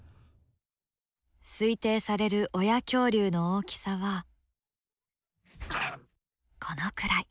推定される親恐竜の大きさはこのくらい。